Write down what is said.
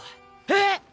えっ！？